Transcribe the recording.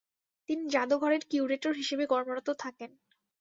তিনি জাদুঘরের কিউরেটর হিসেবে কর্মরত থাকেন।